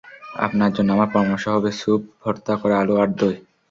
আপনার জন্য আমার পরামর্শ হবে স্যুপ, ভর্তা করা আলু আর দই।